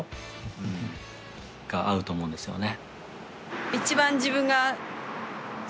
うんが合うと思うんですよね